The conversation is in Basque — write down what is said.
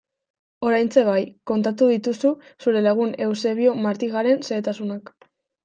Oraintxe bai, kontatu dituzu zure lagun Eusebio Martijaren xehetasunak...